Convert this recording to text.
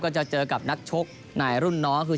จะเจอกับนักชกในรุ่นน้องคือ